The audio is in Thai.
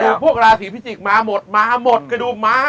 ค่อยดูพวกราศีพิจิกษ์มาหมดมาหมดค่อยดูมา